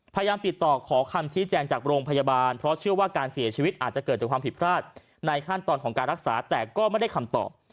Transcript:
พยายามติดต่อขอคำชี้แจงจากโรงพยาบาลเพราะเชื่อว่าการเสียชีวิตอาจจะเกิดจากความผิดพลาดในขั้นตอนของการรักษาแต่ก็ไม่ได้คำตอบ